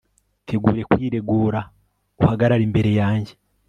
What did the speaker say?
itegure kwiregura, uhagarare imbere yanjye